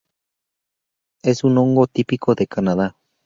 Es un hongo típico de Canadá.